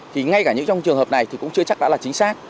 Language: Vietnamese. thì ngay cả những trong trường hợp này thì cũng chưa chắc đã là chính xác